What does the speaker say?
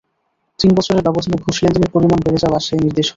তিন বছরের ব্যবধানে ঘুষ লেনদেনের পরিমাণ বেড়ে যাওয়া সেই নির্দেশ করে।